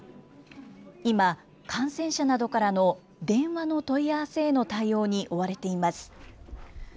今、感染者などからの電話の問い合わせへの対応に追われています。